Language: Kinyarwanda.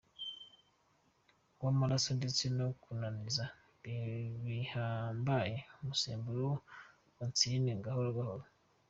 w’amaraso ndetse no kunaniza bihambaye umusemburo wa Insuline gahoro gahoro.